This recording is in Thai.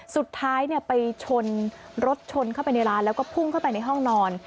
สุดท้ายไปชนรถชนเข้าไปในร้านแล้วก็พุ่งเข้าไปในห้องนอน